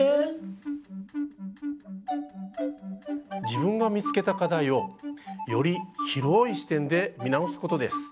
自分が見つけた課題をより広い視点で見直すことです。